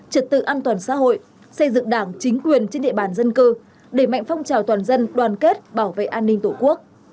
trật tự an toàn xã hội xây dựng đảng chính quyền trên địa bàn dân cư đẩy mạnh phong trào toàn dân đoàn kết bảo vệ an ninh tổ quốc